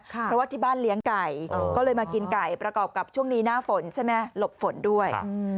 เพราะว่าที่บ้านเลี้ยงไก่ก็เลยมากินไก่ประกอบกับช่วงนี้หน้าฝนใช่ไหมหลบฝนด้วย